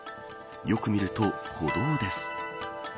よく見ると、歩道です